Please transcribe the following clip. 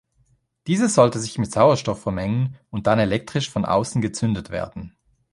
Dieses sollte sich mit Sauerstoff vermengen und dann elektrisch von außen gezündet werden.